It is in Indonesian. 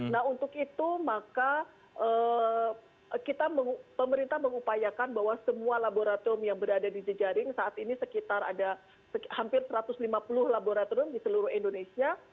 nah untuk itu maka pemerintah mengupayakan bahwa semua laboratorium yang berada di jejaring saat ini sekitar ada hampir satu ratus lima puluh laboratorium di seluruh indonesia